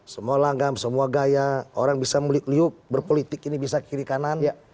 semua langgam semua gaya orang bisa meliuk liup berpolitik ini bisa kiri kanan